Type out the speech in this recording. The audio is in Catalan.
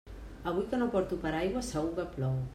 Avui que no porto paraigua segur que plou.